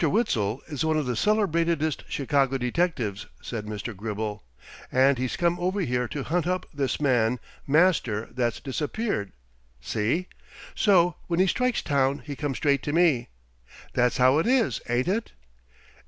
Witzel is one of the celebratedest Chicago detectives," said Mr. Gribble, "and he's come over here to hunt up this man Master that's disappeared. See? So when he strikes town he comes straight to me. That's how it is, ain't it?"